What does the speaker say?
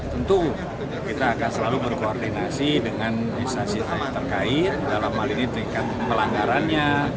tentu kita akan selalu berkoordinasi dengan instansi terkait dalam hal ini tingkat pelanggarannya